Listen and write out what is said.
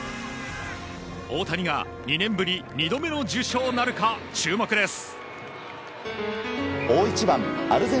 大谷が２年ぶり２度目の受賞なるか注目です。